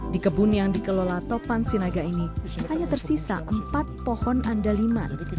di kebun yang dikelola topan sinaga ini hanya tersisa empat pohon andaliman